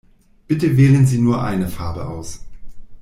Bitte wählen Sie nur eine Farbe aus.